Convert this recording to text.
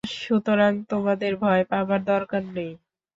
সুতরাং তোমাদের ভয় পাবার দরকার নেই।